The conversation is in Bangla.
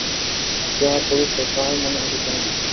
যাহা পড়িত, তাহাই মনে হইত চমৎকার।